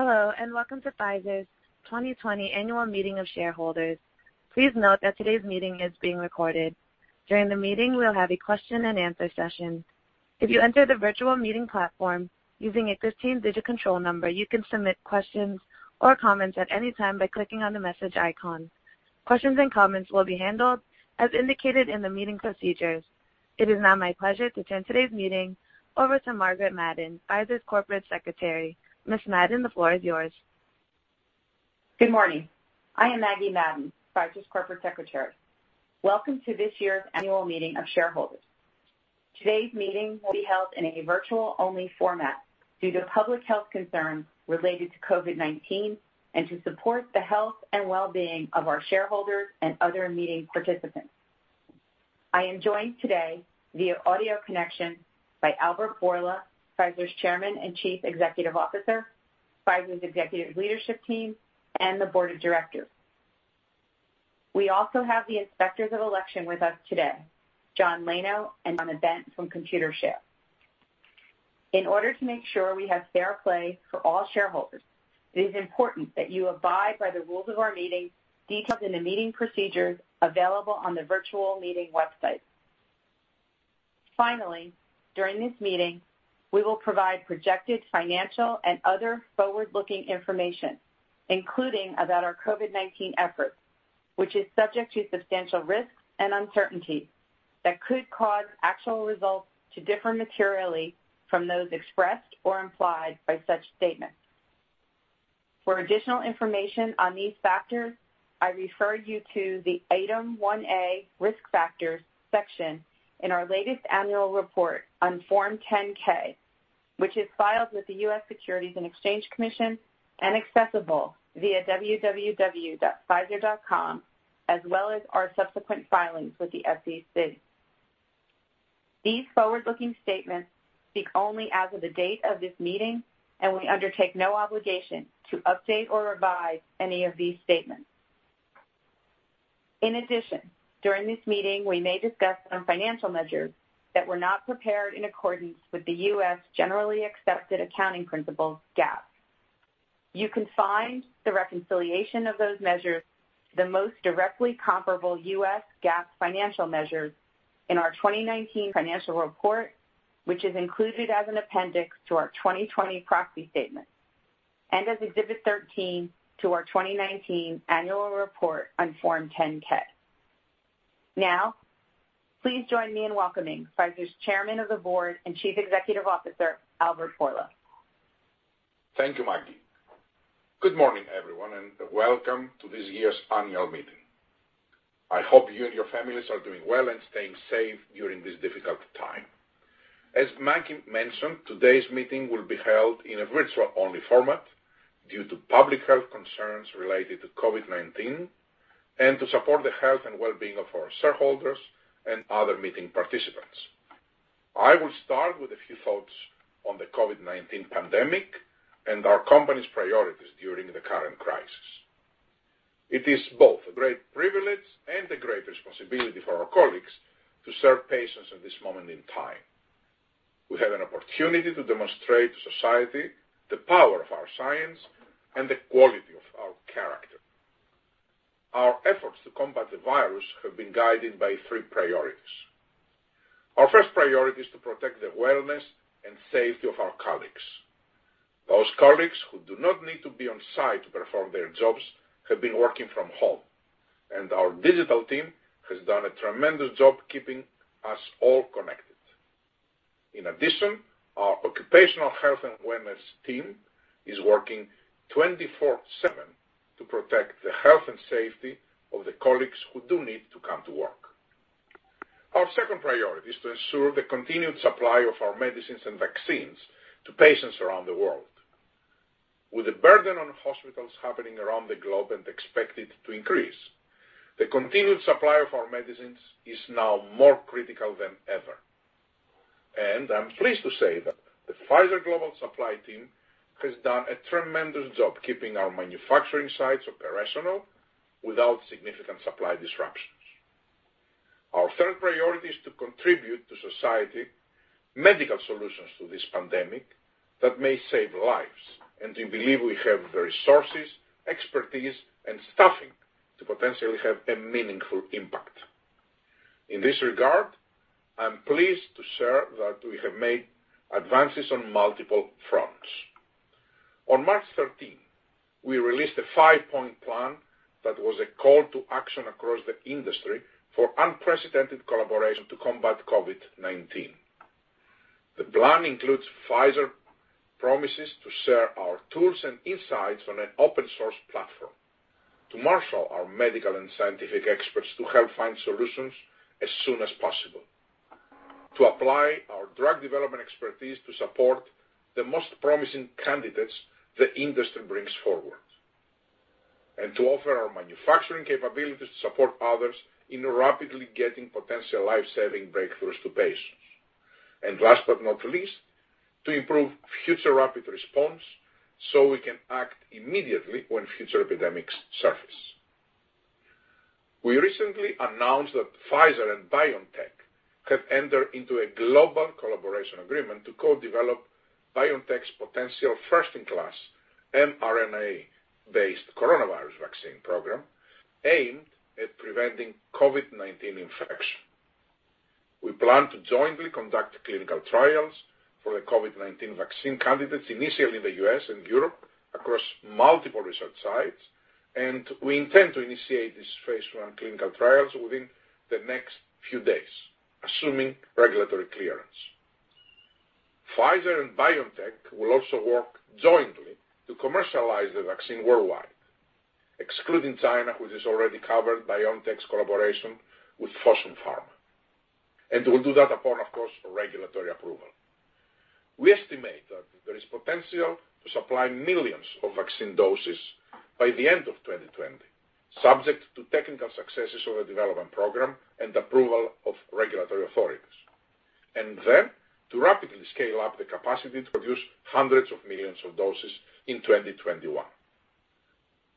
Hello, welcome to Pfizer's 2020 Annual Meeting of Shareholders. Please note that today's meeting is being recorded. During the meeting, we'll have a question and answer session. If you enter the virtual meeting platform using a 15-digit control number, you can submit questions or comments at any time by clicking on the message icon. Questions and comments will be handled as indicated in the meeting procedures. It is now my pleasure to turn today's meeting over to Margaret Madden, Pfizer's Corporate Secretary. Ms. Madden, the floor is yours Good morning. I am Maggie Madden, Pfizer's Corporate Secretary. Welcome to this year's annual meeting of shareholders. Today's meeting will be held in a virtual-only format due to public health concerns related to COVID-19 and to support the health and well-being of our shareholders and other meeting participants. I am joined today via audio connection by Albert Bourla, Pfizer's Chairman and Chief Executive Officer, Pfizer's executive leadership team, and the board of directors. We also have the Inspectors of Election with us today, John Laino and Donna Bent from Computershare. In order to make sure we have fair play for all shareholders, it is important that you abide by the rules of our meeting detailed in the meeting procedures available on the virtual meeting website. Finally, during this meeting, we will provide projected financial and other forward-looking information, including about our COVID-19 efforts, which is subject to substantial risks and uncertainties that could cause actual results to differ materially from those expressed or implied by such statements. For additional information on these factors, I refer you to the Item 1A Risk Factors section in our latest annual report on Form 10-K, which is filed with the U.S. Securities and Exchange Commission and accessible via www.pfizer.com, as well as our subsequent filings with the SEC. These forward-looking statements speak only as of the date of this meeting. We undertake no obligation to update or revise any of these statements. In addition, during this meeting, we may discuss some financial measures that were not prepared in accordance with the U.S. generally accepted accounting principles, GAAP. You can find the reconciliation of those measures, the most directly comparable U.S. GAAP financial measures in our 2019 financial report, which is included as an appendix to our 2020 proxy statement and as Exhibit 13 to our 2019 annual report on Form 10-K. Please join me in welcoming Pfizer's Chairman of the Board and Chief Executive Officer, Albert Bourla. Thank you, Maggie. Good morning, everyone, and welcome to this year's annual meeting. I hope you and your families are doing well and staying safe during this difficult time. As Maggie mentioned, today's meeting will be held in a virtual-only format due to public health concerns related to COVID-19 and to support the health and well-being of our shareholders and other meeting participants. I will start with a few thoughts on the COVID-19 pandemic and our company's priorities during the current crisis. It is both a great privilege and a great responsibility for our colleagues to serve patients at this moment in time. We have an opportunity to demonstrate to society the power of our science and the quality of our character. Our efforts to combat the virus have been guided by three priorities. Our first priority is to protect the wellness and safety of our colleagues. Those colleagues who do not need to be on-site to perform their jobs have been working from home. Our digital team has done a tremendous job keeping us all connected. In addition, our occupational health and wellness team is working 24/7 to protect the health and safety of the colleagues who do need to come to work. Our second priority is to ensure the continued supply of our medicines and vaccines to patients around the world. With the burden on hospitals happening around the globe and expected to increase, the continued supply of our medicines is now more critical than ever. I'm pleased to say that the Pfizer Global Supply Team has done a tremendous job keeping our manufacturing sites operational without significant supply disruptions. Our third priority is to contribute to society medical solutions to this pandemic that may save lives, and we believe we have the resources, expertise, and staffing to potentially have a meaningful impact. In this regard, I'm pleased to share that we have made advances on multiple fronts. On March 13, we released a five-point plan that was a call to action across the industry for unprecedented collaboration to combat COVID-19. The plan includes Pfizer promises to share our tools and insights on an open-source platform to marshal our medical and scientific experts to help find solutions as soon as possible, to apply our drug development expertise to support the most promising candidates the industry brings forward, and to offer our manufacturing capabilities to support others in rapidly getting potential life-saving breakthroughs to patients. Last but not least, to improve future rapid response so we can act immediately when future epidemics surface. We recently announced that Pfizer and BioNTech have entered into a global collaboration agreement to co-develop BioNTech's potential first-in-class mRNA-based coronavirus vaccine program aimed at preventing COVID-19 infection. We plan to jointly conduct clinical trials for the COVID-19 vaccine candidates, initially in the U.S. and Europe across multiple research sites, and we intend to initiate these phase I clinical trials within the next few days, assuming regulatory clearance. Pfizer and BioNTech will also work jointly to commercialize the vaccine worldwide, excluding China, which is already covered by BioNTech's collaboration with Fosun Pharma, and we'll do that upon, of course, regulatory approval. We estimate that there is potential to supply millions of vaccine doses by the end of 2020, subject to technical successes of the development program and approval of regulatory authorities, and then to rapidly scale up the capacity to produce hundreds of millions of doses in 2021.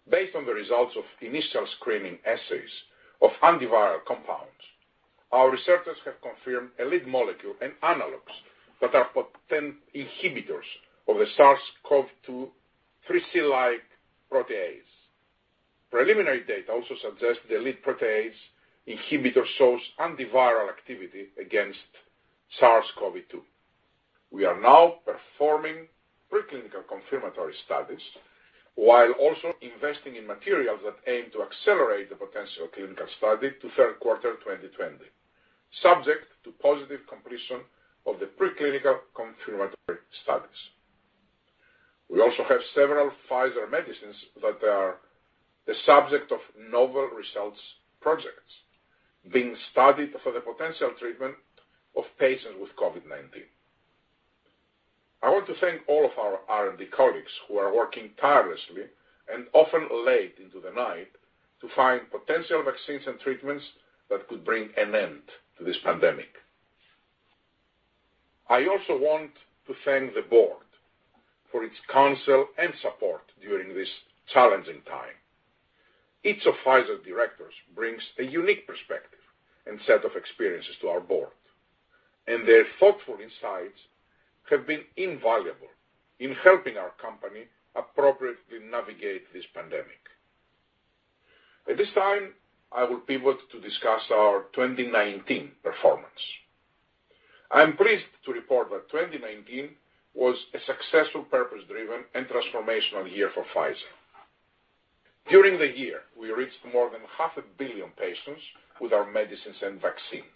Based on the results of initial screening assays of antiviral compounds, our researchers have confirmed a lead molecule and analogues that are potential inhibitors of the SARS-CoV-2 3C-like protease. Preliminary data also suggest the lead protease inhibitor shows antiviral activity against SARS-CoV-2. We are now performing preclinical confirmatory studies while also investing in materials that aim to accelerate the potential clinical study to third quarter 2020, subject to positive completion of the preclinical confirmatory studies. We also have several Pfizer medicines that are the subject of novel results projects being studied for the potential treatment of patients with COVID-19. I want to thank all of our R&D colleagues who are working tirelessly and often late into the night to find potential vaccines and treatments that could bring an end to this pandemic. I also want to thank the board for its counsel and support during this challenging time. Each of Pfizer's directors brings a unique perspective and set of experiences to our board, and their thoughtful insights have been invaluable in helping our company appropriately navigate this pandemic. At this time, I will pivot to discuss our 2019 performance. I am pleased to report that 2019 was a successful, purpose-driven, and transformational year for Pfizer. During the year, we reached more than half a billion patients with our medicines and vaccines.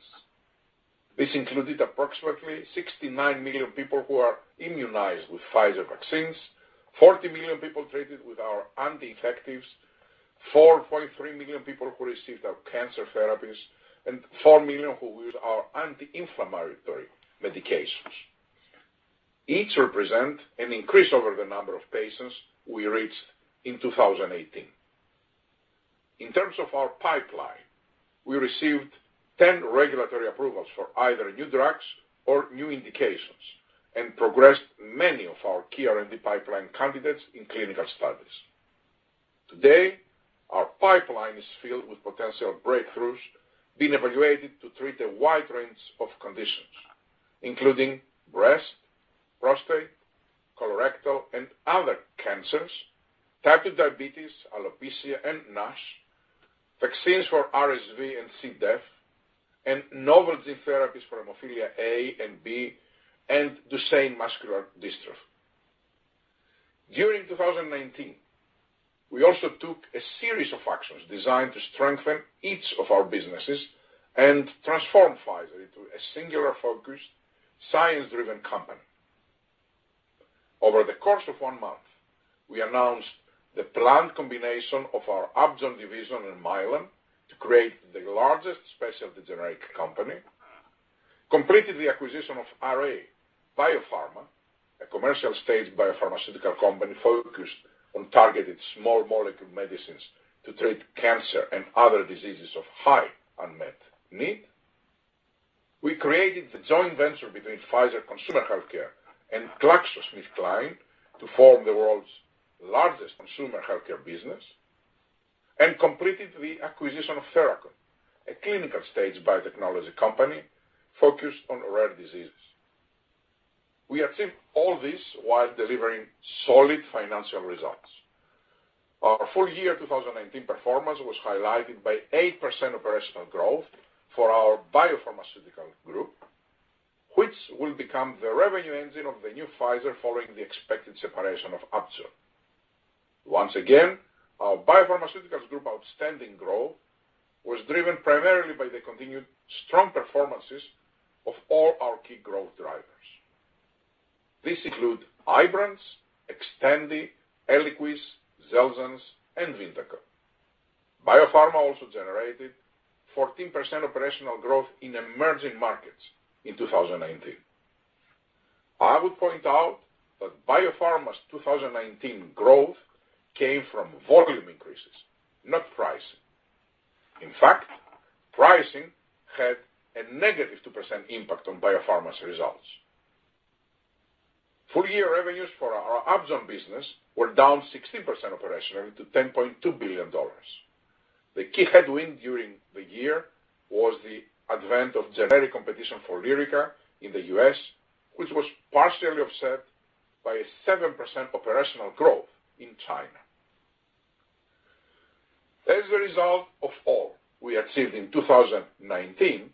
This included approximately 69 million people who are immunized with Pfizer vaccines, 40 million people treated with our anti-infectives, 4.3 million people who received our cancer therapies, and 4 million who used our anti-inflammatory medications. Each represent an increase over the number of patients we reached in 2018. In terms of our pipeline, we received 10 regulatory approvals for either new drugs or new indications and progressed many of our key R&D pipeline candidates in clinical studies. Today, our pipeline is filled with potential breakthroughs being evaluated to treat a wide range of conditions, including breast, prostate, colorectal, and other cancers, type 2 diabetes, alopecia, and NASH, vaccines for RSV and C. diff, and novel gene therapies for hemophilia A and B, and Duchenne muscular dystrophy. During 2019, we also took a series of actions designed to strengthen each of our businesses and transform Pfizer into a singular-focused, science-driven company. Over the course of one month, we announced the planned combination of our Upjohn division and Mylan to create the largest specialty generic company, completed the acquisition of Array BioPharma, a commercial-stage biopharmaceutical company focused on targeted small molecule medicines to treat cancer and other diseases of high unmet need. We created the joint venture between Pfizer Consumer Healthcare and GlaxoSmithKline to form the world's largest consumer healthcare business and completed the acquisition of Therachon, a clinical-stage biotechnology company focused on rare diseases. We achieved all this while delivering solid financial results. Our full-year 2019 performance was highlighted by 8% operational growth for our biopharmaceutical group, which will become the revenue engine of the new Pfizer following the expected separation of Upjohn. Once again, our biopharmaceuticals group outstanding growth was driven primarily by the continued strong performances of all our key growth drivers. This include IBRANCE, XTANDI, ELIQUIS, XELJANZ, and VYNDAQEL. Biopharma also generated 14% operational growth in emerging markets in 2019. I would point out that Biopharma's 2019 growth came from volume increases, not pricing. In fact, pricing had a negative 2% impact on Biopharma's results. Full-year revenues for our Upjohn business were down 16% operationally to $10.2 billion. The key headwind during the year was the advent of generic competition for LYRICA in the U.S., which was partially offset by 7% operational growth in China. As a result of all we achieved in 2019,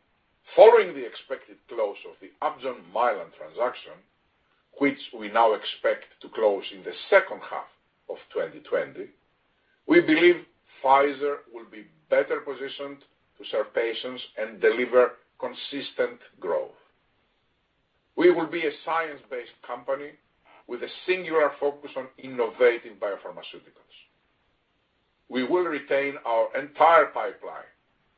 following the expected close of the Upjohn Mylan transaction, which we now expect to close in the second half of 2020, we believe Pfizer will be better positioned to serve patients and deliver consistent growth. We will be a science-based company with a singular focus on innovative biopharmaceuticals. We will retain our entire pipeline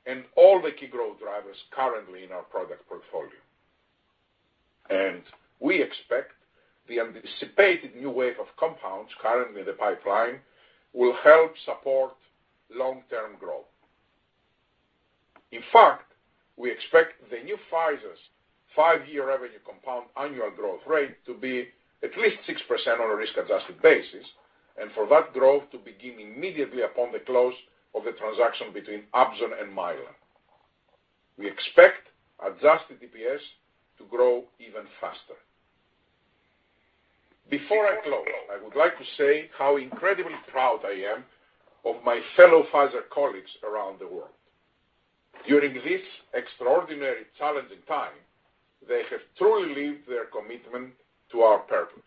and all the key growth drivers currently in our product portfolio. We expect the anticipated new wave of compounds currently in the pipeline will help support long-term growth. In fact, we expect the new Pfizer's five-year revenue compound annual growth rate to be at least 6% on a risk-adjusted basis, and for that growth to begin immediately upon the close of the transaction between Upjohn and Mylan. We expect adjusted EPS to grow even faster. Before I close, I would like to say how incredibly proud I am of my fellow Pfizer colleagues around the world. During this extraordinary challenging time, they have truly lived their commitment to our purpose,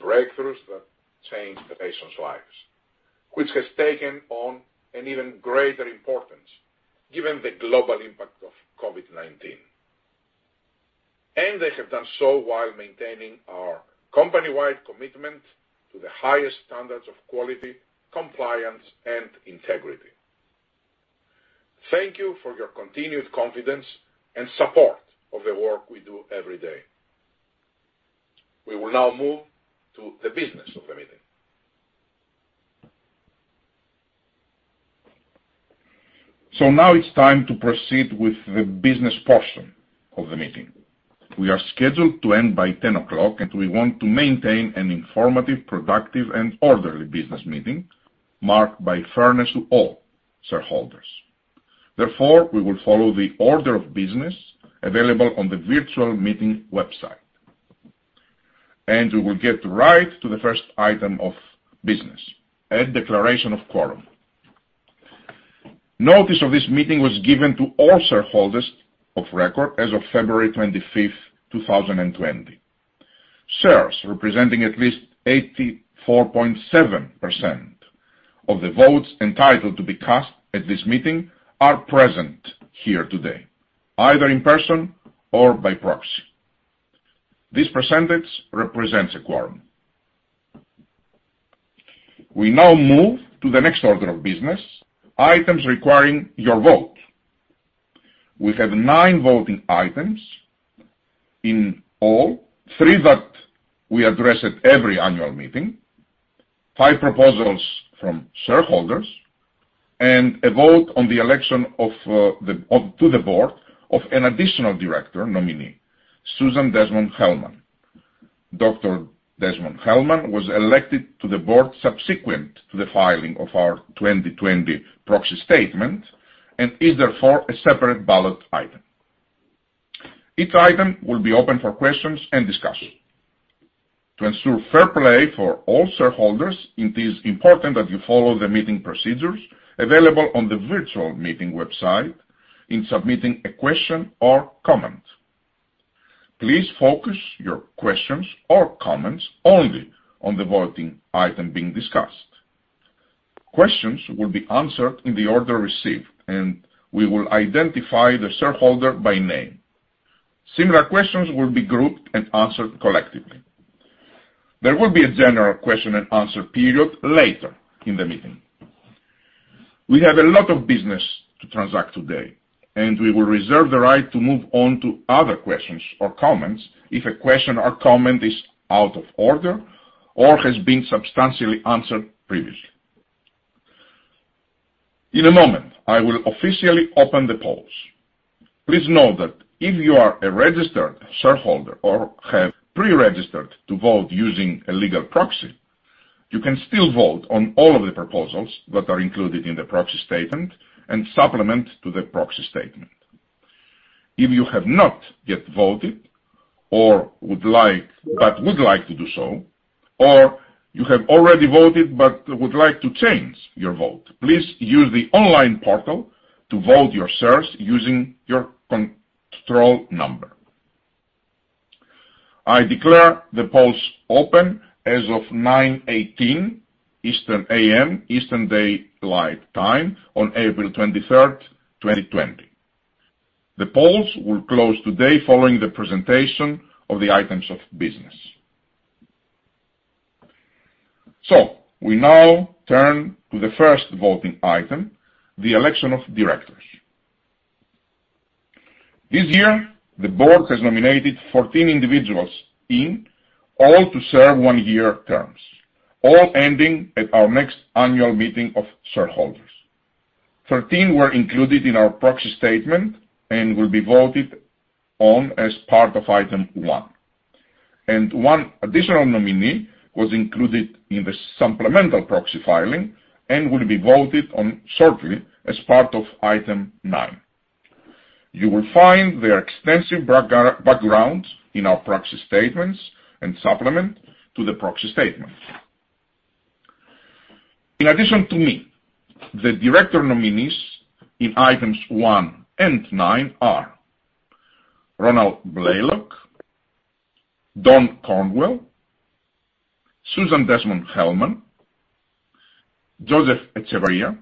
breakthroughs that change the patients' lives, which has taken on an even greater importance given the global impact of COVID-19. They have done so while maintaining our company-wide commitment to the highest standards of quality, compliance, and integrity. Thank you for your continued confidence and support of the work we do every day. We will now move to the business of the meeting. Now it's time to proceed with the business portion of the meeting. We are scheduled to end by 10 o'clock, and we want to maintain an informative, productive, and orderly business meeting marked by fairness to all shareholders. Therefore, we will follow the order of business available on the virtual meeting website. We will get right to the first item of business, a declaration of quorum. Notice of this meeting was given to all shareholders of record as of February 25th, 2020. Shares representing at least 84.7% of the votes entitled to be cast at this meeting are present here today, either in person or by proxy. This percentage represents a quorum. We now move to the next order of business, items requiring your vote. We have nine voting items in all, three that we address at every annual meeting, five proposals from shareholders, and a vote on the election to the board of an additional Director nominee, Susan Desmond-Hellmann. Dr. Desmond-Hellmann was elected to the board subsequent to the filing of our 2020 proxy statement and is therefore a separate ballot item. Each item will be open for questions and discussion. To ensure fair play for all shareholders, it is important that you follow the meeting procedures available on the virtual meeting website in submitting a question or comment. Please focus your questions or comments only on the voting item being discussed. Questions will be answered in the order received, and we will identify the shareholder by name. Similar questions will be grouped and answered collectively. There will be a general question and answer period later in the meeting. We have a lot of business to transact today, and we will reserve the right to move on to other questions or comments if a question or comment is out of order or has been substantially answered previously. In a moment, I will officially open the polls. Please know that if you are a registered shareholder or have pre-registered to vote using a legal proxy, you can still vote on all of the proposals that are included in the proxy statement and supplement to the proxy statement. If you have not yet voted but would like to do so, or you have already voted but would like to change your vote, please use the online portal to vote your shares using your control number. I declare the polls open as of 9:18 A.M. Eastern Daylight Time on April 23rd, 2020. The polls will close today following the presentation of the items of business. We now turn to the first voting item, the election of directors. This year, the board has nominated 14 individuals in all to serve one-year terms, all ending at our next annual meeting of shareholders. 13 were included in our proxy statement and will be voted on as part of Item 1. One additional nominee was included in the supplemental proxy filing and will be voted on shortly as part of Item 9. You will find their extensive background in our proxy statements and supplement to the proxy statement. In addition to me, the director nominees in Items 1 and 9 are Ronald E. Blaylock, Don Cornwell, Susan Desmond-Hellmann, Joseph Echevarria,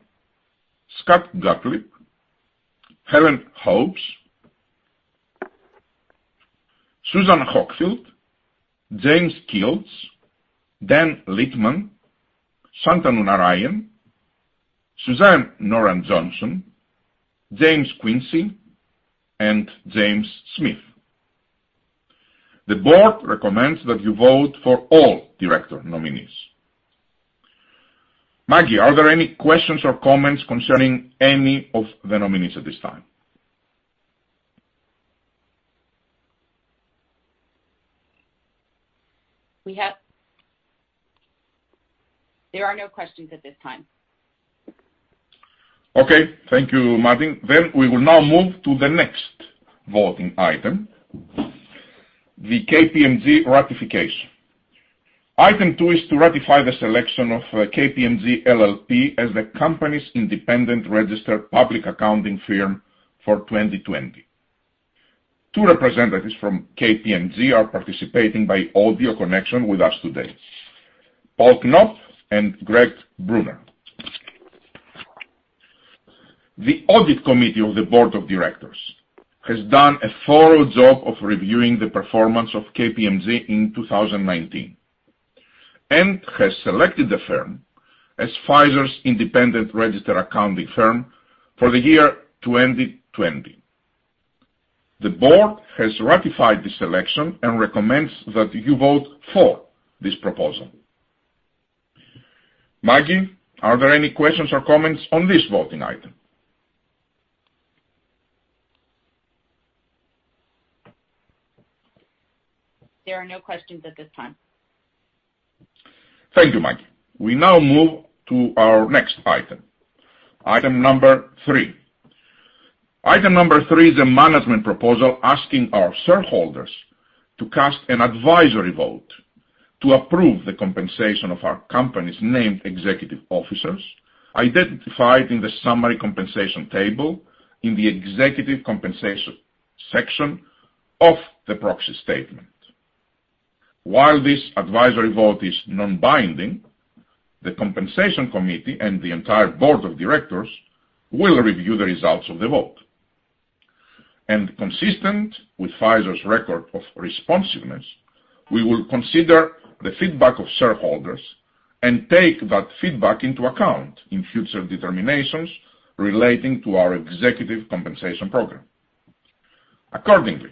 Scott Gottlieb, Helen Hobbs, Susan Hockfield, James Kilts, Dan Littman, Shantanu Narayen, Suzanne Nora Johnson, James Quincey, and James Smith. The board recommends that you vote for all director nominees. Maggie, are there any questions or comments concerning any of the nominees at this time? There are no questions at this time. Okay. Thank you, Maggie. We will now move to the next voting item, the KPMG ratification. Item 2 is to ratify the selection of KPMG LLP as the company's independent registered public accounting firm for 2020. Two representatives from KPMG are participating by audio connection with us today. Paul Knopp and Greg Brunner. The audit committee of the board of directors has done a thorough job of reviewing the performance of KPMG in 2019 and has selected the firm as Pfizer's independent registered accounting firm for the year 2020. The board has ratified this selection and recommends that you vote for this proposal. Maggie, are there any questions or comments on this voting item? There are no questions at this time. Thank you, Maggie. We now move to our next item, Item number 3. Item number 3 is a management proposal asking our shareholders to cast an advisory vote to approve the compensation of our company's named executive officers, identified in the summary compensation table in the executive compensation section of the proxy statement. While this advisory vote is non-binding, the Compensation Committee and the entire Board of Directors will review the results of the vote. Consistent with Pfizer's record of responsiveness, we will consider the feedback of shareholders and take that feedback into account in future determinations relating to our executive compensation program. Accordingly,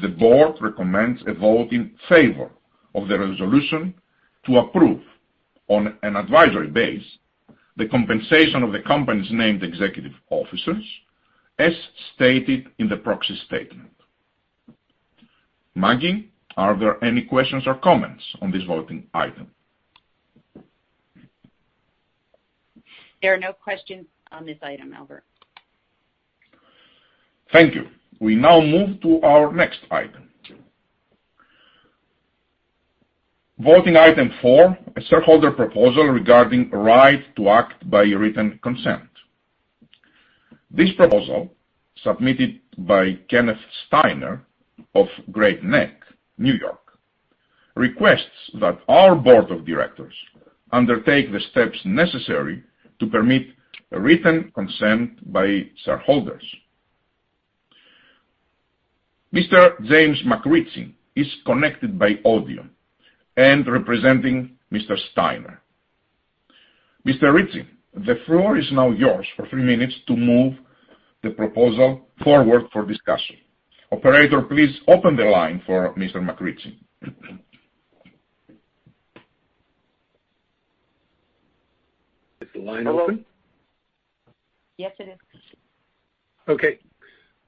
the board recommends a vote in favor of the resolution to approve, on an advisory base, the compensation of the company's named executive officers, as stated in the proxy statement. Maggie, are there any questions or comments on this voting item? There are no questions on this item, Albert. Thank you. We now move to our next item. Voting Item 4, a shareholder proposal regarding right to act by written consent. This proposal, submitted by Kenneth Steiner of Great Neck, N.Y., requests that our board of directors undertake the steps necessary to permit written consent by shareholders. Mr. James McRitchie is connected by audio and representing Mr. Steiner. Mr. McRitchie, the floor is now yours for three minutes to move the proposal forward for discussion. Operator, please open the line for Mr. McRitchie. Is the line open? Yes, it is. Okay.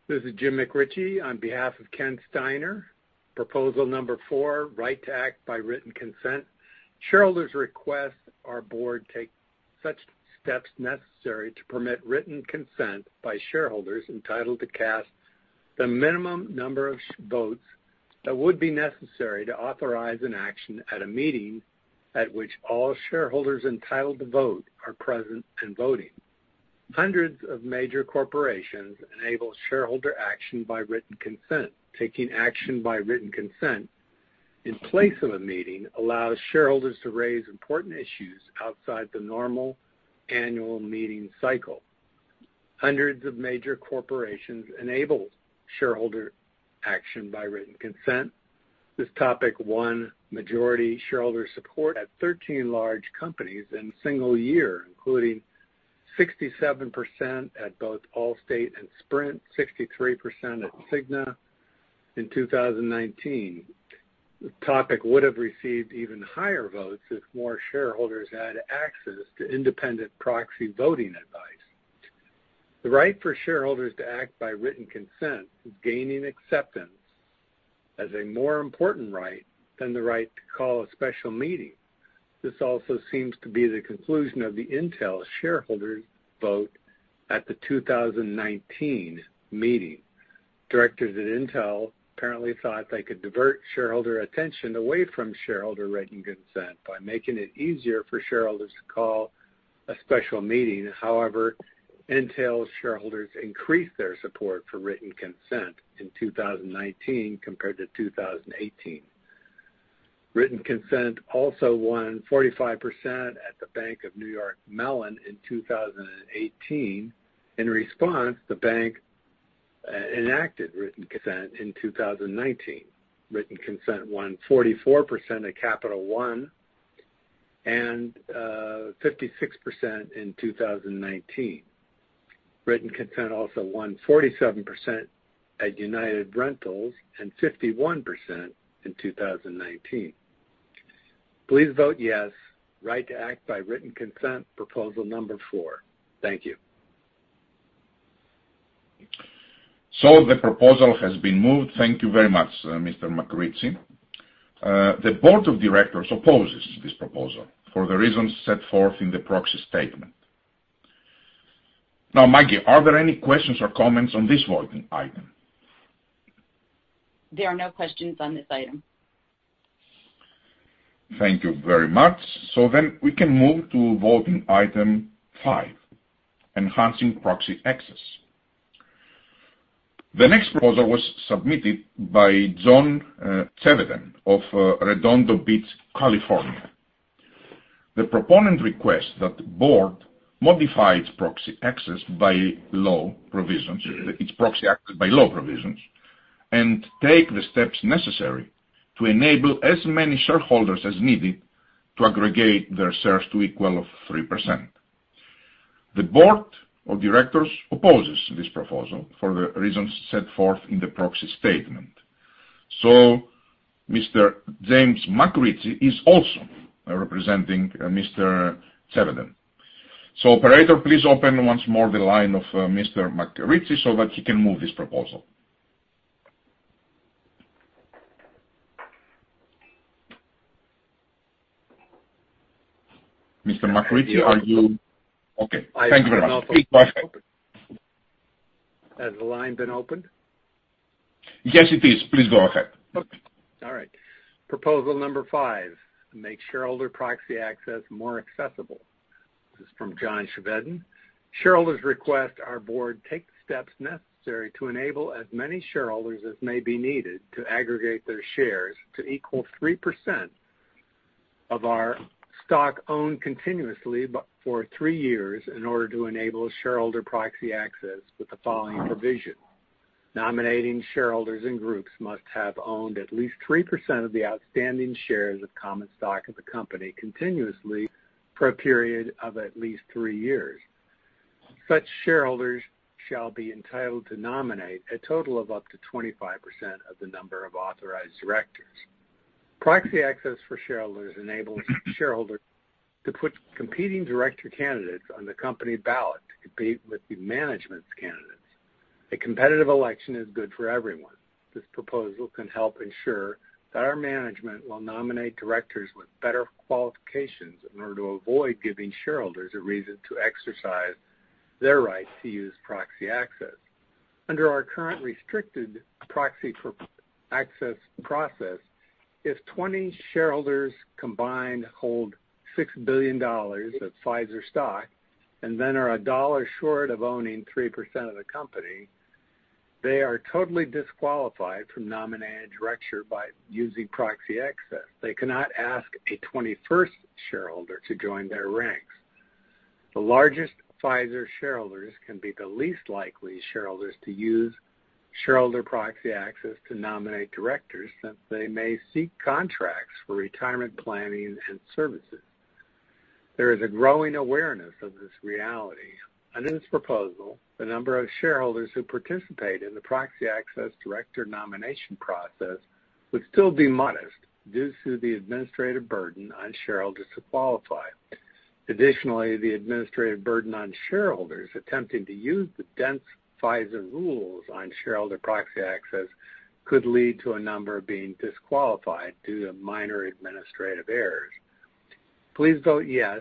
This is Jim McRitchie, on behalf of Ken Steiner. Proposal number 4, right to act by written consent. Shareholders request our board take such steps necessary to permit written consent by shareholders entitled to cast the minimum number of votes that would be necessary to authorize an action at a meeting at which all shareholders entitled to vote are present and voting. Hundreds of major corporations enable shareholder action by written consent. Taking action by written consent in place of a meeting allows shareholders to raise important issues outside the normal annual meeting cycle. Hundreds of major corporations enable shareholder action by written consent. This topic won majority shareholder support at 13 large companies in a single year, including 67% at both Allstate and Sprint, 63% at Cigna. In 2019, the topic would have received even higher votes if more shareholders had access to independent proxy voting advice. The right for shareholders to act by written consent is gaining acceptance as a more important right than the right to call a special meeting. This also seems to be the conclusion of the Intel shareholders vote at the 2019 meeting. Directors at Intel apparently thought they could divert shareholder attention away from shareholder written consent by making it easier for shareholders to call a special meeting. However, Intel shareholders increased their support for written consent in 2019 compared to 2018. Written consent also won 45% at the Bank of New York Mellon in 2018. In response, the bank enacted written consent in 2019. Written consent won 44% at Capital One and 56% in 2019. Written consent also won 47% at United Rentals and 51% in 2019. Please vote yes, right to act by written consent, proposal number 4. Thank you. The proposal has been moved. Thank you very much, Mr. McRitchie. The board of directors opposes this proposal for the reasons set forth in the proxy statement. Maggie, are there any questions or comments on this voting item? There are no questions on this item. Thank you very much. We can move to voting Item 5, enhancing proxy access. The next proposal was submitted by John Chevedden of Redondo Beach, California. The proponent requests that the board modify its proxy access bylaw provisions and take the steps necessary to enable as many shareholders as needed to aggregate their shares to equal of 3%. The Board of Directors opposes this proposal for the reasons set forth in the proxy statement. Mr. James McRitchie is also representing Mr. Chevedden. Operator, please open once more the line of Mr. McRitchie so that he can move this proposal. Mr. McRitchie, Okay, thank you very much. Please go ahead. Has the line been opened? Yes, it is. Please go ahead. Okay. All right. Proposal number 5, make shareholder proxy access more accessible. This is from John Chevedden. Shareholders request our board take the steps necessary to enable as many shareholders as may be needed to aggregate their shares to equal 3% of our stock owned continuously for three years in order to enable shareholder proxy access with the following provision. Nominating shareholders and groups must have owned at least 3% of the outstanding shares of common stock of the company continuously for a period of at least three years. Such shareholders shall be entitled to nominate a total of up to 25% of the number of authorized directors. Proxy access for shareholders enables shareholders to put competing director candidates on the company ballot to compete with the management's candidates. A competitive election is good for everyone. This proposal can help ensure that our management will nominate directors with better qualifications in order to avoid giving shareholders a reason to exercise their right to use proxy access. Under our current restricted proxy access process, if 20 shareholders combined hold $6 billion of Pfizer stock and then are a dollar short of owning 3% of the company, they are totally disqualified from nominating a director by using proxy access. They cannot ask a 21st shareholder to join their ranks. The largest Pfizer shareholders can be the least likely shareholders to use shareholder proxy access to nominate directors, since they may seek contracts for retirement planning and services. There is a growing awareness of this reality. Under this proposal, the number of shareholders who participate in the proxy access director nomination process would still be modest due to the administrative burden on shareholders to qualify. Additionally, the administrative burden on shareholders attempting to use the dense Pfizer rules on shareholder proxy access could lead to a number being disqualified due to minor administrative errors. Please vote yes,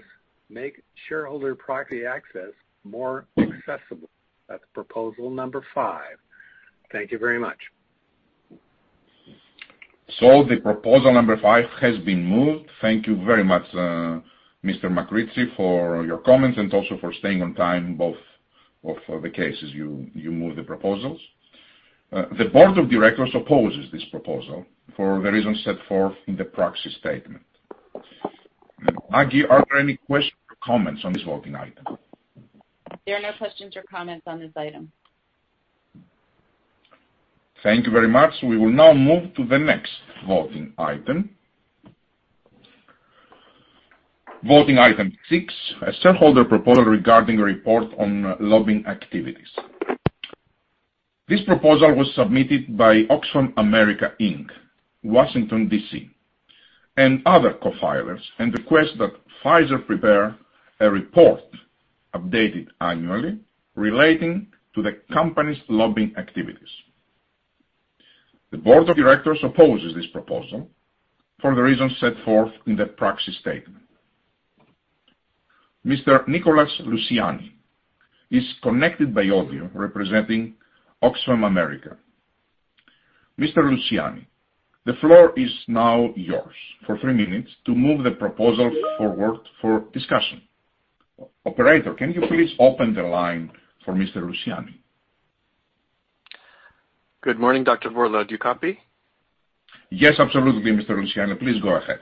make shareholder proxy access more accessible. That's proposal number 5. Thank you very much. The proposal number 5 has been moved. Thank you very much, Mr. McRitchie, for your comments and also for staying on time both of the cases you moved the proposals. The board of directors opposes this proposal for the reasons set forth in the proxy statement. Maggie, are there any questions or comments on this voting item? There are no questions or comments on this item. Thank you very much. We will now move to the next voting item. Voting Item 6, a shareholder proposal regarding a report on lobbying activities. This proposal was submitted by Oxfam America Inc., Washington, D.C., and other co-filers, and requests that Pfizer prepare a report updated annually relating to the company's lobbying activities. The board of directors opposes this proposal for the reasons set forth in the proxy statement. Mr. Nicholas Lusiani is connected by audio representing Oxfam America. Mr. Lusiani, the floor is now yours for three minutes to move the proposal forward for discussion. Operator, can you please open the line for Mr. Lusiani? Good morning, Dr. Bourla. Do you copy? Yes, absolutely, Mr. Lusiani. Please go ahead.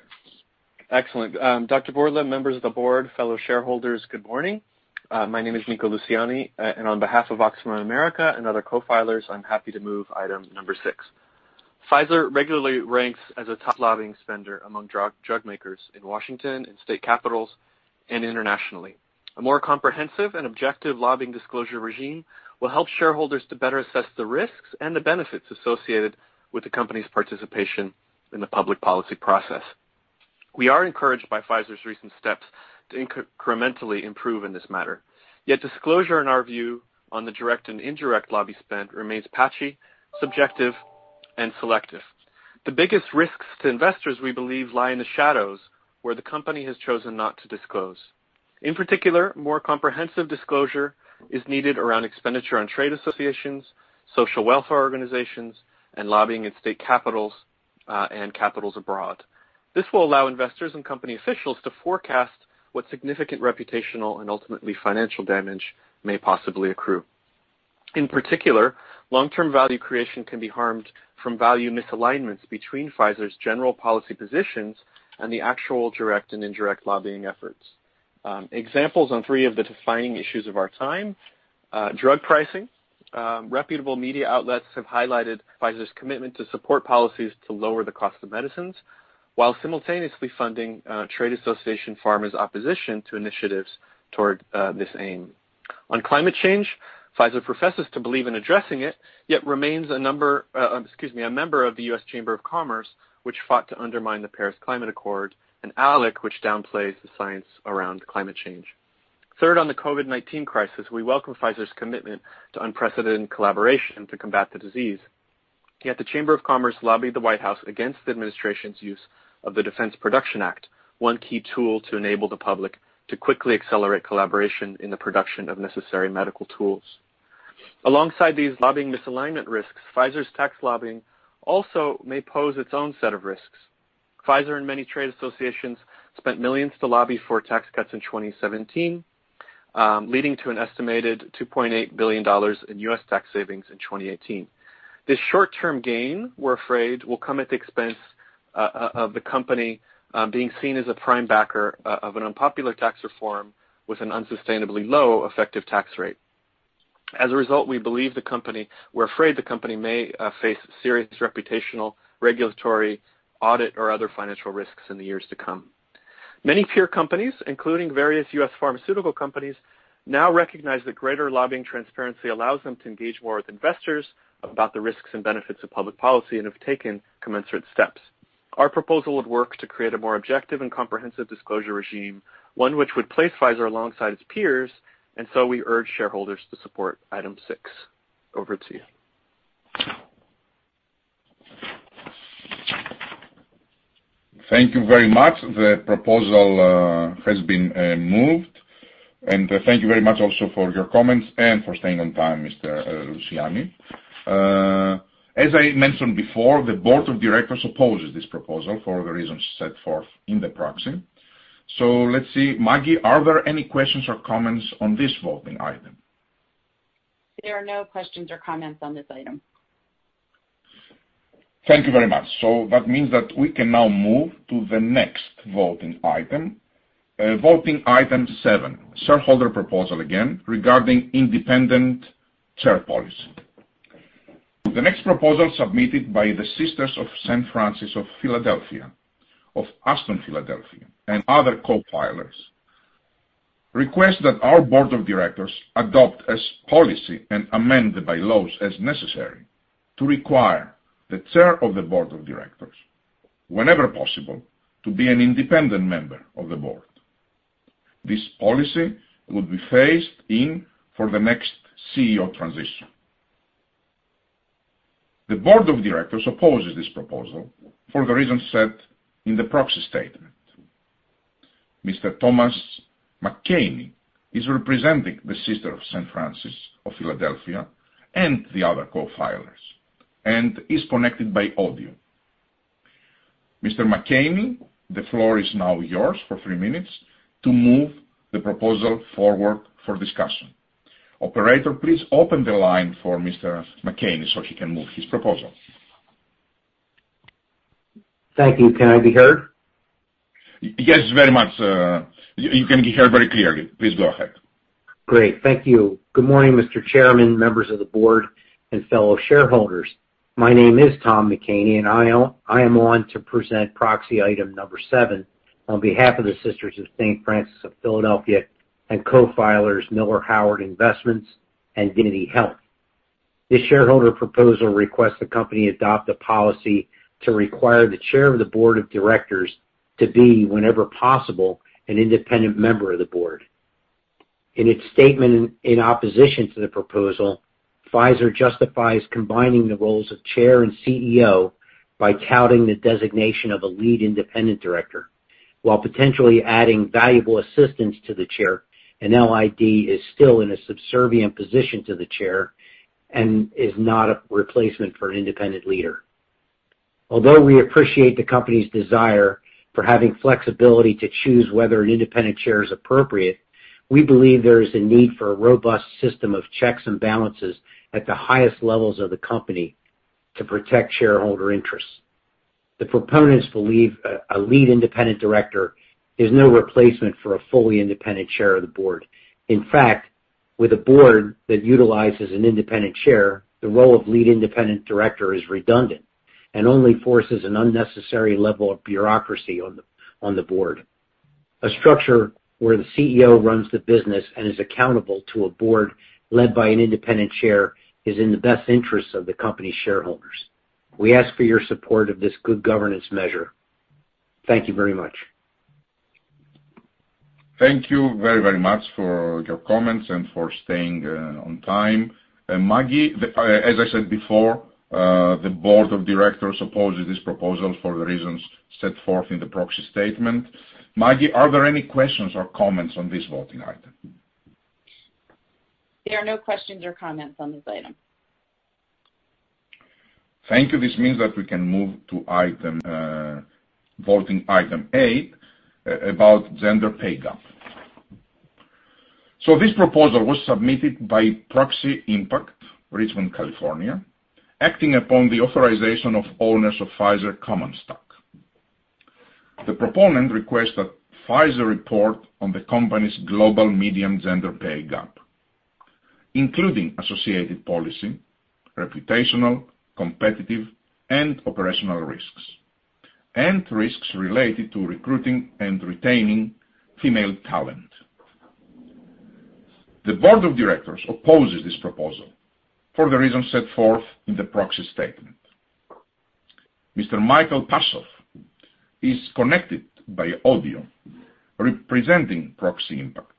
Excellent. Dr. Bourla, members of the board, fellow shareholders, good morning. My name is Niko Lusiani. On behalf of Oxfam America and other co-filers, I'm happy to move Item number 6. Pfizer regularly ranks as a top lobbying spender among drug makers in Washington and state capitals and internationally. A more comprehensive and objective lobbying disclosure regime will help shareholders to better assess the risks and the benefits associated with the company's participation in the public policy process. We are encouraged by Pfizer's recent steps to incrementally improve in this matter, yet disclosure, in our view, on the direct and indirect lobby spend remains patchy, subjective, and selective. The biggest risks to investors, we believe, lie in the shadows where the company has chosen not to disclose. In particular, more comprehensive disclosure is needed around expenditure on trade associations, social welfare organizations, and lobbying in state capitals, and capitals abroad. This will allow investors and company officials to forecast what significant reputational and ultimately financial damage may possibly accrue. In particular, long-term value creation can be harmed from value misalignments between Pfizer's general policy positions and the actual direct and indirect lobbying efforts. Examples on three of the defining issues of our time, drug pricing. Reputable media outlets have highlighted Pfizer's commitment to support policies to lower the cost of medicines, while simultaneously funding trade association pharma's opposition to initiatives toward this aim. On climate change, Pfizer professes to believe in addressing it, yet remains a member of the U.S. Chamber of Commerce, which fought to undermine the Paris Agreement and ALEC, which downplays the science around climate change. Third, on the COVID-19 crisis, we welcome Pfizer's commitment to unprecedented collaboration to combat the disease. The Chamber of Commerce lobbied the White House against the administration's use of the Defense Production Act, one key tool to enable the public to quickly accelerate collaboration in the production of necessary medical tools. Alongside these lobbying misalignment risks, Pfizer's tax lobbying also may pose its own set of risks. Pfizer and many trade associations spent millions to lobby for tax cuts in 2017, leading to an estimated $2.8 billion in U.S. tax savings in 2018. This short-term gain, we're afraid, will come at the expense of the company being seen as a prime backer of an unpopular tax reform with an unsustainably low effective tax rate. We're afraid the company may face serious reputational, regulatory, audit, or other financial risks in the years to come. Many peer companies, including various U.S. pharmaceutical companies, now recognize that greater lobbying transparency allows them to engage more with investors about the risks and benefits of public policy and have taken commensurate steps. Our proposal would work to create a more objective and comprehensive disclosure regime, one which would place Pfizer alongside its peers, and so we urge shareholders to support Item 6. Over to you. Thank you very much. The proposal has been moved. Thank you very much also for your comments and for staying on time, Mr. Lusiani. As I mentioned before, the board of directors opposes this proposal for the reasons set forth in the proxy. Let's see. Maggie, are there any questions or comments on this voting item? There are no questions or comments on this item. Thank you very much. That means that we can now move to the next voting item. Voting Item 7, shareholder proposal again regarding independent chair policy. The next proposal submitted by the Sisters of St. Francis of Aston, Philadelphia, and other co-filers, requests that our board of directors adopt as policy and amend the bylaws as necessary to require the chair of the board of directors, whenever possible, to be an independent member of the board. This policy would be phased in for the next CEO transition. The board of directors opposes this proposal for the reasons set in the proxy statement. Mr. Thomas McCaney is representing the Sisters of St. Francis of Philadelphia and the other co-filers and is connected by audio. Mr. McCaney, the floor is now yours for 3 minutes to move the proposal forward for discussion. Operator, please open the line for Mr. McCaney so he can move his proposal. Thank you. Can I be heard? Yes, very much. You can be heard very clearly. Please go ahead. Great. Thank you. Good morning, Mr. Chairman, members of the board, and fellow shareholders. My name is Thomas McCaney, and I am on to present proxy Item number 7 on behalf of the Sisters of St. Francis of Philadelphia and co-filers Miller/Howard Investments and Dignity Health. This shareholder proposal requests the company adopt a policy to require the chair of the board of directors to be, whenever possible, an independent member of the board. In its statement in opposition to the proposal, Pfizer justifies combining the roles of chair and CEO by touting the designation of a lead independent director. While potentially adding valuable assistance to the chair, an LID is still in a subservient position to the chair and is not a replacement for an independent leader. Although we appreciate the company's desire for having flexibility to choose whether an independent chair is appropriate, we believe there is a need for a robust system of checks and balances at the highest levels of the company to protect shareholder interests. The proponents believe a lead independent director is no replacement for a fully independent chair of the board. In fact, with a board that utilizes an independent chair, the role of lead independent director is redundant and only forces an unnecessary level of bureaucracy on the board. A structure where the CEO runs the business and is accountable to a board led by an independent chair is in the best interest of the company's shareholders. We ask for your support of this good governance measure. Thank you very much. Thank you very, very much for your comments and for staying on time. Maggie, as I said before, the Board of Directors opposes this proposal for the reasons set forth in the proxy statement. Maggie, are there any questions or comments on this voting item? There are no questions or comments on this item. Thank you. This means that we can move to voting Item 8 about gender pay gap. This proposal was submitted by Proxy Impact, Richmond, California, acting upon the authorization of owners of Pfizer common stock. The proponent requests that Pfizer report on the company's global median gender pay gap, including associated policy, reputational, competitive, and operational risks, and risks related to recruiting and retaining female talent. The board of directors opposes this proposal for the reasons set forth in the proxy statement. Mr. Michael Passoff is connected by audio representing Proxy Impact.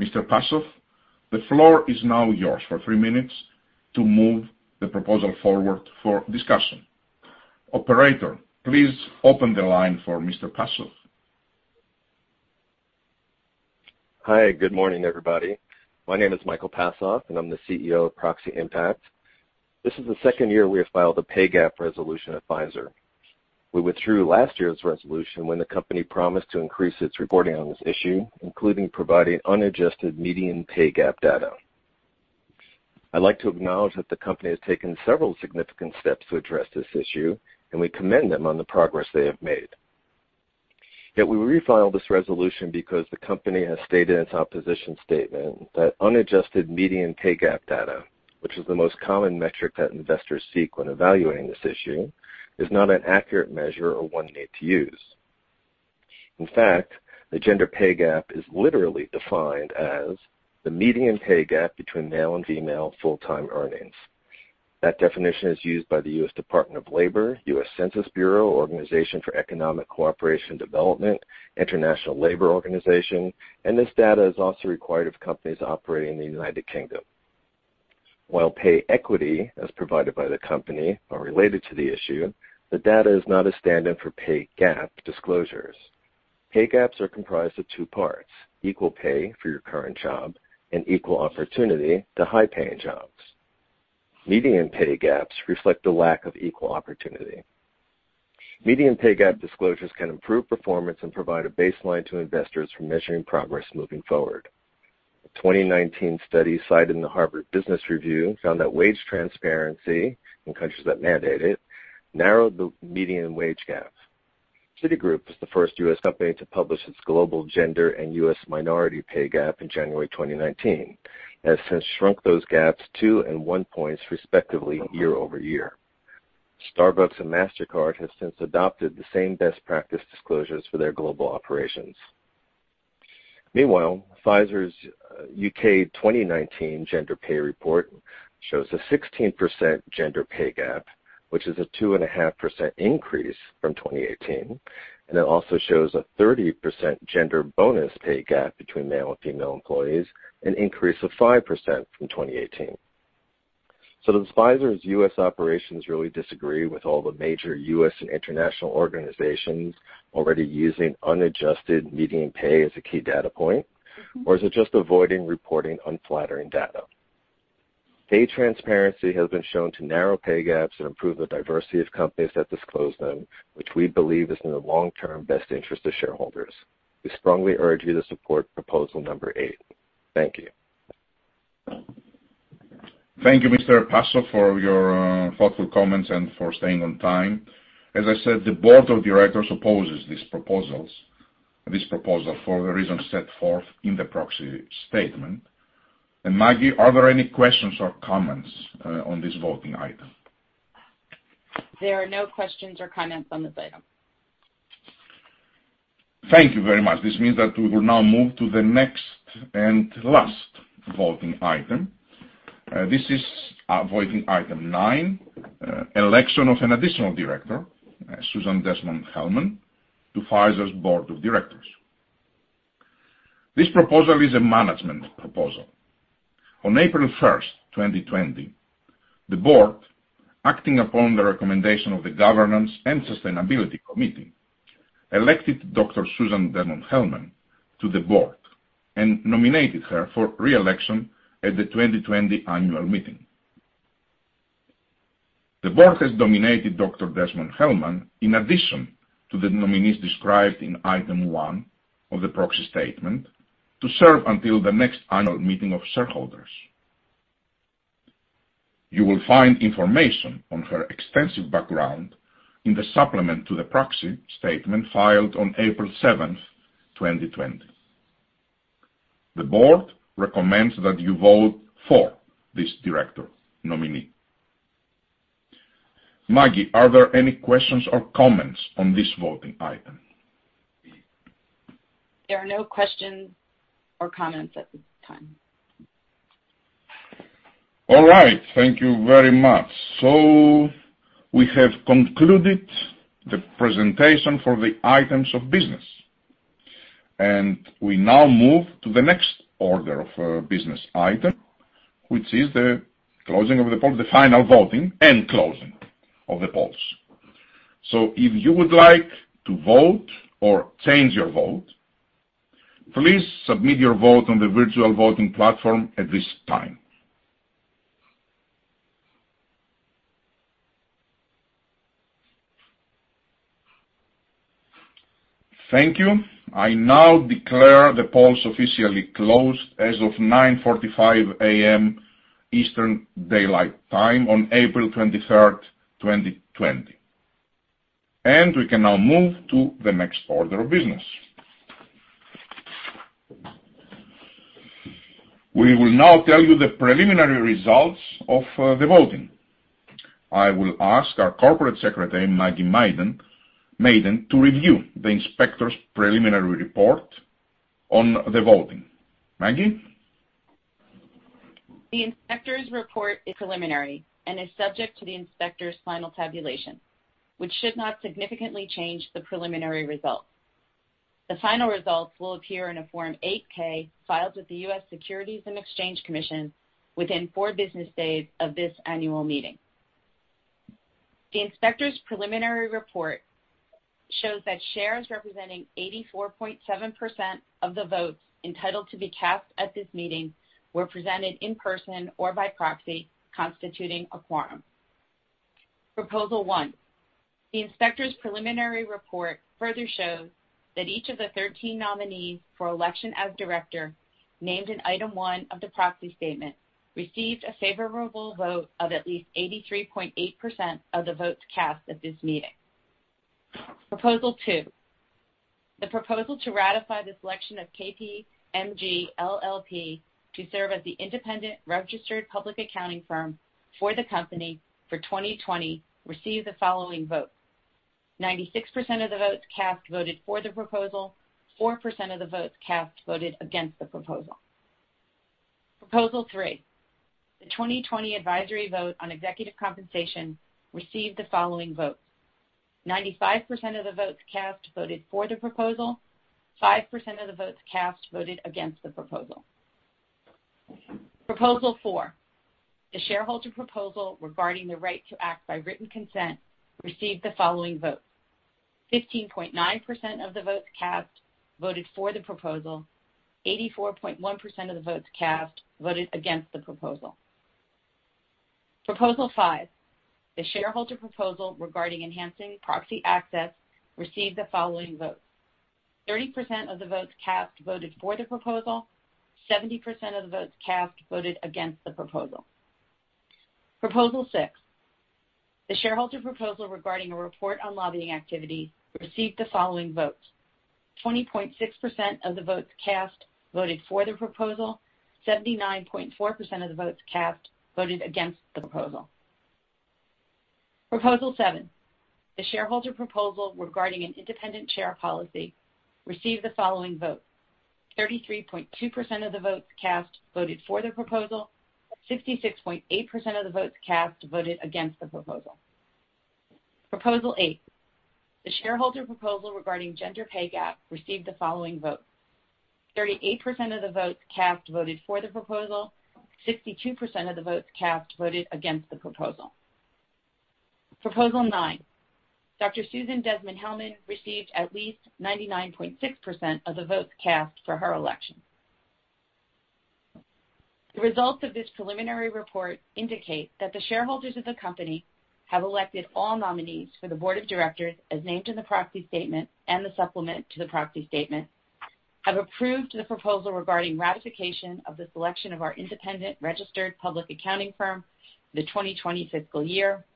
Mr. Passoff, the floor is now yours for three minutes to move the proposal forward for discussion. Operator, please open the line for Mr. Passoff. Hi, good morning, everybody. My name is Michael Passoff, and I'm the CEO of Proxy Impact. This is the second year we have filed a pay gap resolution at Pfizer. We withdrew last year's resolution when the company promised to increase its reporting on this issue, including providing unadjusted median pay gap data. I'd like to acknowledge that the company has taken several significant steps to address this issue, and we commend them on the progress they have made. Yet we refiled this resolution because the company has stated in its opposition statement that unadjusted median pay gap data, which is the most common metric that investors seek when evaluating this issue, is not an accurate measure or one they use. In fact, the gender pay gap is literally defined as the median pay gap between male and female full-time earnings. That definition is used by the U.S. Department of Labor, U.S. Census Bureau, Organisation for Economic Co-operation and Development, International Labour Organization, and this data is also required of companies operating in the United Kingdom. While pay equity, as provided by the company, are related to the issue, the data is not a stand-in for pay gap disclosures. Pay gaps are comprised of two parts, equal pay for your current job and equal opportunity to high-paying jobs. Median pay gaps reflect the lack of equal opportunity. Median pay gap disclosures can improve performance and provide a baseline to investors for measuring progress moving forward. A 2019 study cited in the Harvard Business Review found that wage transparency in countries that mandate it narrowed the median wage gap. Citigroup was the first U.S. company to publish its global gender and U.S. minority pay gap in January 2019 and has since shrunk those gaps two and one points, respectively, year-over-year. Starbucks and Mastercard have since adopted the same best practice disclosures for their global operations. Meanwhile, Pfizer's U.K. 2019 gender pay report shows a 16% gender pay gap, which is a 2.5% increase from 2018, and it also shows a 30% gender bonus pay gap between male and female employees, an increase of 5% from 2018. Does Pfizer's U.S. operations really disagree with all the major U.S. and international organizations already using unadjusted median pay as a key data point, or is it just avoiding reporting unflattering data? Pay transparency has been shown to narrow pay gaps and improve the diversity of companies that disclose them, which we believe is in the long-term best interest of shareholders. We strongly urge you to support proposal number 8. Thank you. Thank you, Mr. Passoff, for your thoughtful comments and for staying on time. As I said, the board of directors opposes this proposal for the reasons set forth in the proxy statement. Maggie, are there any questions or comments on this voting item? There are no questions or comments on this item. Thank you very much. This means that we will now move to the next and last voting item. This is voting Item 9, election of an additional director, Susan Desmond-Hellmann, to Pfizer's board of directors. This proposal is a management proposal. On April 1st, 2020, the board, acting upon the recommendation of the Governance & Sustainability Committee, elected Dr. Susan Desmond-Hellmann to the board and nominated her for re-election at the 2020 annual meeting. The board has nominated Dr. Desmond-Hellmann, in addition to the nominees described in Item 1 of the proxy statement, to serve until the next annual meeting of shareholders. You will find information on her extensive background in the supplement to the proxy statement filed on April 7th, 2020. The board recommends that you vote for this director nominee. Maggie, are there any questions or comments on this voting item? There are no questions or comments at this time. All right. Thank you very much. We have concluded the presentation for the items of business, and we now move to the next order of business item, which is the final voting and closing of the polls. If you would like to vote or change your vote, please submit your vote on the virtual voting platform at this time. Thank you. I now declare the polls officially closed as of 9:45 A.M. Eastern Daylight Time on April 23rd, 2020, and we can now move to the next order of business. We will now tell you the preliminary results of the voting. I will ask our corporate secretary, Maggie Madden, to review the inspector's preliminary report on the voting. Maggie? The inspector's report is preliminary and is subject to the inspector's final tabulation, which should not significantly change the preliminary results. The final results will appear in a Form 8-K filed with the U.S. Securities and Exchange Commission within four business days of this annual meeting. The inspector's preliminary report shows that shares representing 84.7% of the votes entitled to be cast at this meeting were presented in person or by proxy, constituting a quorum. Proposal 1, the inspector's preliminary report further shows that each of the 13 nominees for election as director, named in Item 1 of the proxy statement, received a favorable vote of at least 83.8% of the votes cast at this meeting. Proposal 2, the proposal to ratify the selection of KPMG LLP to serve as the independent registered public accounting firm for the company for 2020 received the following vote: 96% of the votes cast voted for the proposal, 4% of the votes cast voted against the proposal. Proposal 3, the 2020 advisory vote on executive compensation received the following vote: 95% of the votes cast voted for the proposal, 5% of the votes cast voted against the proposal. Proposal 4, the shareholder proposal regarding the right to act by written consent received the following vote: 15.9% of the votes cast voted for the proposal, 84.1% of the votes cast voted against the proposal. Proposal 5, the shareholder proposal regarding enhancing proxy access received the following vote: 30% of the votes cast voted for the proposal, 70% of the votes cast voted against the proposal. Proposal 6, the shareholder proposal regarding a report on lobbying activity received the following vote: 20.6% of the votes cast voted for the proposal, 79.4% of the votes cast voted against the proposal. Proposal 7, the shareholder proposal regarding an independent chair policy received the following vote: 33.2% of the votes cast voted for the proposal, 66.8% of the votes cast voted against the proposal. Proposal 8, the shareholder proposal regarding gender pay gap received the following vote: 38% of the votes cast voted for the proposal, 62% of the votes cast voted against the proposal. Proposal 9, Dr. Susan Desmond-Hellmann received at least 99.6% of the votes cast for her election. The results of this preliminary report indicate that the shareholders of the company have elected all nominees for the board of directors as named in the proxy statement and the supplement to the proxy statement. They have approved the proposal regarding ratification of the selection of our independent registered public accounting firm for the 2020 fiscal year,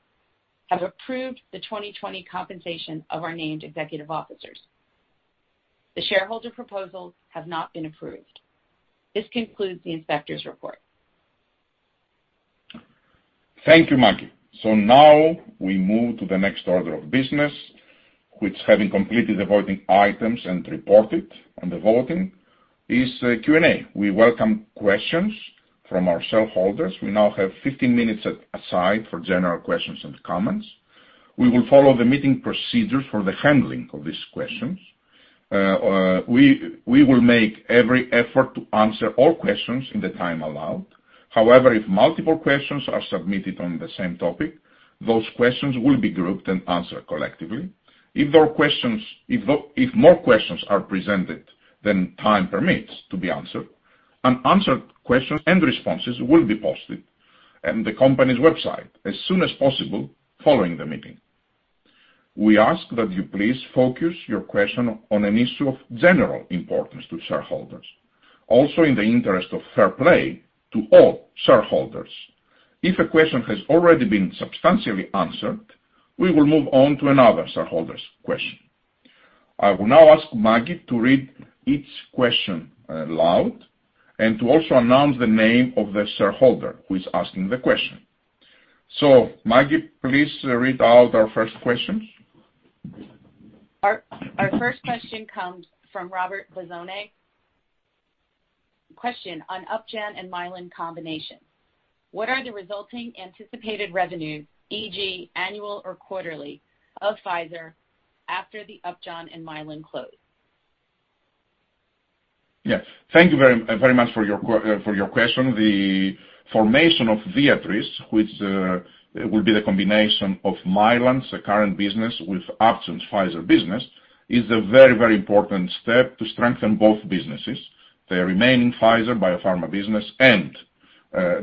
have approved the 2020 compensation of our named executive officers. The shareholder proposals have not been approved. This concludes the inspector's report. Thank you, Maggie. Now we move to the next order of business, which having completed the voting items and reported on the voting, is a Q&A. We welcome questions from our shareholders. We now have 15 minutes aside for general questions and comments. We will follow the meeting procedures for the handling of these questions. We will make every effort to answer all questions in the time allowed. If multiple questions are submitted on the same topic, those questions will be grouped and answered collectively. If more questions are presented than time permits to be answered, unanswered questions and responses will be posted on the company's website as soon as possible following the meeting. We ask that you please focus your question on an issue of general importance to shareholders. Also in the interest of fair play to all shareholders, if a question has already been substantially answered, we will move on to another shareholder's question. I will now ask Maggie to read each question aloud and to also announce the name of the shareholder who is asking the question. Maggie, please read out our first question. Our first question comes from Robert Lazone. Question on Upjohn and Mylan combination. What are the resulting anticipated revenues, e.g., annual or quarterly, of Pfizer after the Upjohn and Mylan close? Yes. Thank you very much for your question. The formation of Viatris, which will be the combination of Mylan's current business with Upjohn Pfizer business, is a very important step to strengthen both businesses, the remaining Pfizer bio pharma business and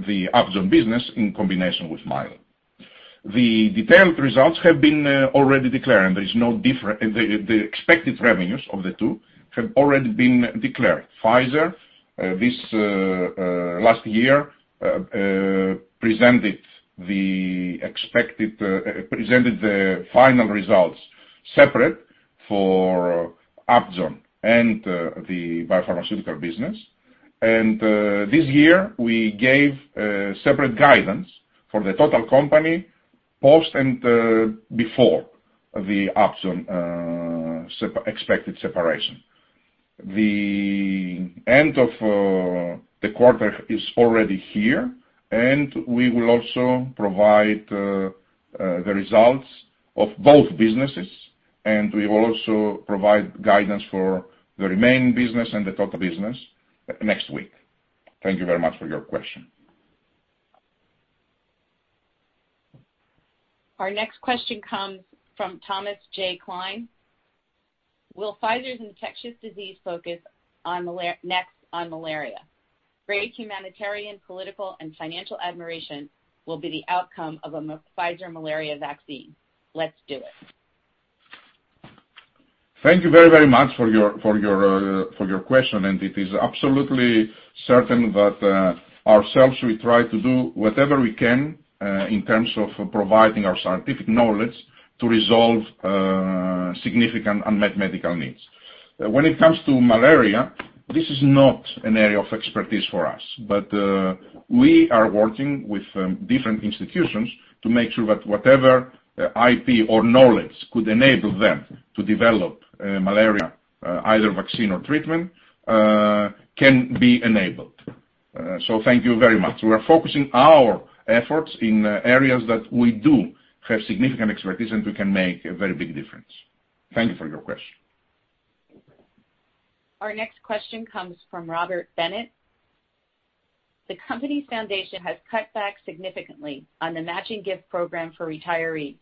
the Upjohn business in combination with Mylan. The detailed results have been already declared, and the expected revenues of the two have already been declared. Pfizer, this last year presented the final results separate for Upjohn and the biopharmaceutical business. This year we gave separate guidance for the total company post and before the Upjohn expected separation. The end of the quarter is already here, and we will also provide the results of both businesses, and we will also provide guidance for the remaining business and the total business next week. Thank you very much for your question. Our next question comes from Thomas J. Klein. Will Pfizer's infectious disease focus next on malaria? Great humanitarian, political, and financial admiration will be the outcome of a Pfizer malaria vaccine. Let's do it. Thank you very much for your question. It is absolutely certain that ourselves, we try to do whatever we can in terms of providing our scientific knowledge to resolve significant unmet medical needs. When it comes to malaria, this is not an area of expertise for us, but we are working with different institutions to make sure that whatever IP or knowledge could enable them to develop malaria, either vaccine or treatment, can be enabled. Thank you very much. We are focusing our efforts in areas that we do have significant expertise and we can make a very big difference. Thank you for your question. Our next question comes from Robert Bennett. The company's foundation has cut back significantly on the matching gift program for retirees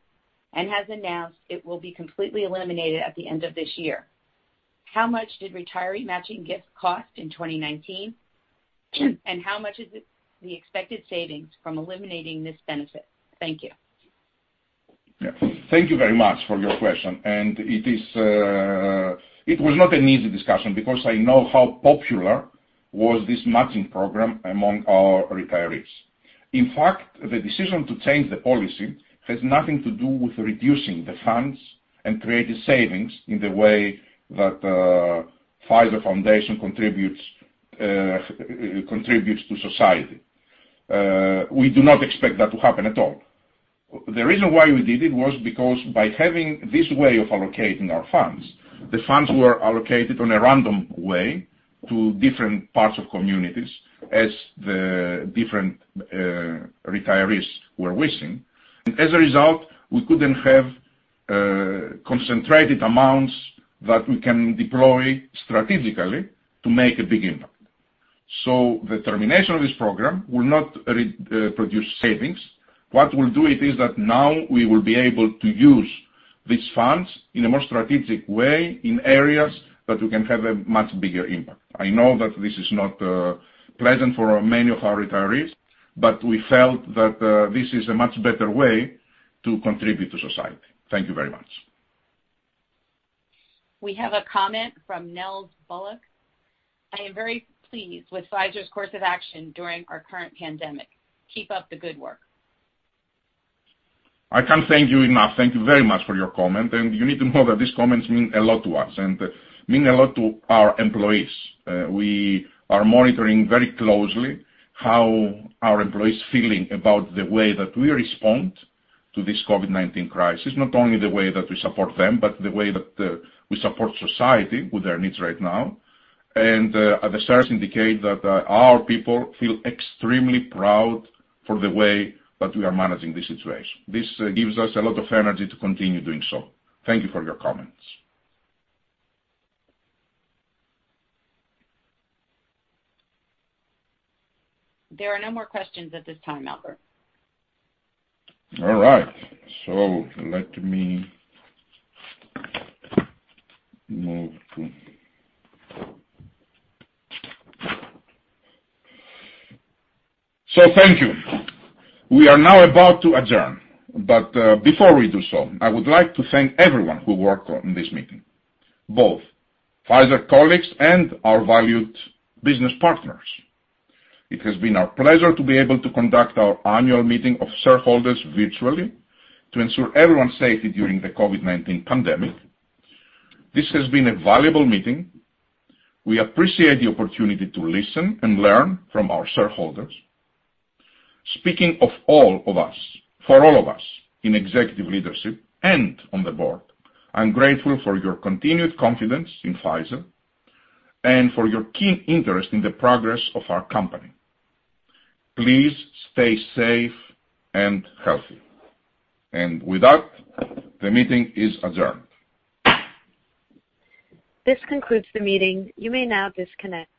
and has announced it will be completely eliminated at the end of this year. How much did retiree matching gifts cost in 2019? How much is the expected savings from eliminating this benefit? Thank you. Thank you very much for your question. It was not an easy discussion because I know how popular was this matching program among our retirees. In fact, the decision to change the policy has nothing to do with reducing the funds and creating savings in the way that Pfizer Foundation contributes to society. We do not expect that to happen at all. The reason why we did it was because by having this way of allocating our funds, the funds were allocated on a random way to different parts of communities as the different retirees were wishing, and as a result, we couldn't have concentrated amounts that we can deploy strategically to make a big impact. The termination of this program will not produce savings. What will do it is that now we will be able to use these funds in a more strategic way in areas that we can have a much bigger impact. I know that this is not pleasant for many of our retirees, but we felt that this is a much better way to contribute to society. Thank you very much. We have a comment from Nels Bullock. "I am very pleased with Pfizer's course of action during our current pandemic. Keep up the good work. I can't thank you enough. Thank you very much for your comment, and you need to know that these comments mean a lot to us and mean a lot to our employees. We are monitoring very closely how our employees are feeling about the way that we respond to this COVID-19 crisis. Not only the way that we support them, but the way that we support society with their needs right now. The surveys indicate that our people feel extremely proud for the way that we are managing this situation. This gives us a lot of energy to continue doing so. Thank you for your comments. There are no more questions at this time, Albert. All right. Let me move to, so thank you. We are now about to adjourn, but before we do so, I would like to thank everyone who worked on this meeting, both Pfizer colleagues and our valued business partners. It has been our pleasure to be able to conduct our annual meeting of shareholders virtually to ensure everyone's safety during the COVID-19 pandemic. This has been a valuable meeting. We appreciate the opportunity to listen and learn from our shareholders. Speaking of all of us, for all of us in executive leadership and on the board, I'm grateful for your continued confidence in Pfizer and for your keen interest in the progress of our company. Please stay safe and healthy. With that, the meeting is adjourned. This concludes the meeting. You may now disconnect.